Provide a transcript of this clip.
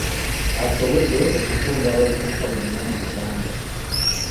Asobodde okukunga abavubuka bonna mu Buganda.